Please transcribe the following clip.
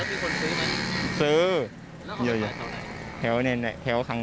ฟังเสียงคนที่ไปรับของกันหน่อย